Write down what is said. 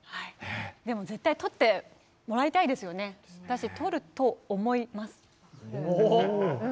でも、絶対取ってもらいたいですよね。だし、取ると思います国枝選手だったら、うん。